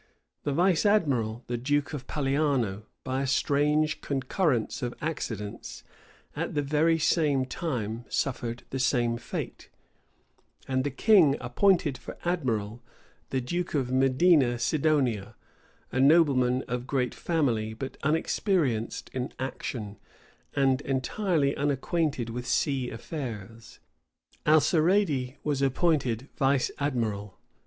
The vice admiral, the duke of Paliano, by a strange concurrence of accidents, at the very same time suffered the same fate; and the king appointed for admiral the duke of Medina Sidonia, a nobleman of great family, but unexperienced in action, and entirely unacquainted with sea affairs. Alcarede was appointed vice admiral.